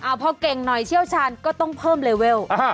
พอเก่งหน่อยเชี่ยวชาญก็ต้องเพิ่มเลเวล